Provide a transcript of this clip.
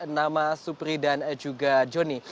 nama supri dan juga joni